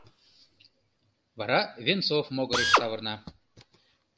Вара Венцов могырыш савырна.